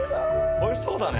おいしそうだね！